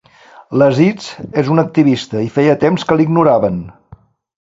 L'Aziz és una activista i feia temps que l'ignoraven.